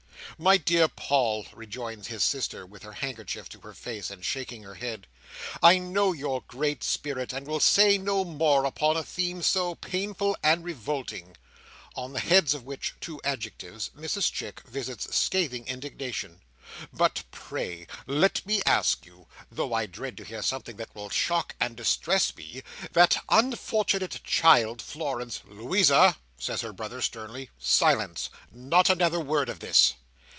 "My dear Paul," rejoins his sister, with her handkerchief to her face, and shaking her head, "I know your great spirit, and will say no more upon a theme so painful and revolting;" on the heads of which two adjectives, Mrs Chick visits scathing indignation; "but pray let me ask you—though I dread to hear something that will shock and distress me—that unfortunate child Florence—" "Louisa!" says her brother, sternly, "silence! Not another word of this!"